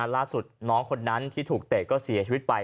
ล่าสุดน้องคนนั้นที่ถูกเตะก็เสียชีวิตไป